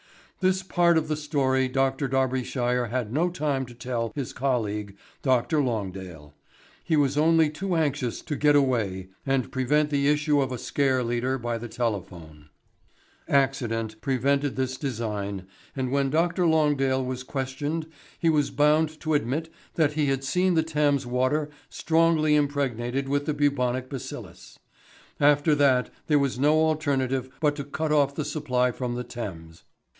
"This part of the story Dr. Darbyshire had no time to tell his colleague Dr. Longdale. He was only too anxious to get away and prevent the issue of a scare leader by the Telephone. "Accident prevented this design, and when Dr. Longdale was questioned he was bound to admit that he had seen the Thames water strongly impregnated with the bubonic bacillus. After that there was no alternative but to cut off the supply from the Thames.